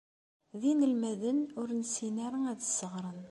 D inelmaden ur nessin ara ad sseɣren.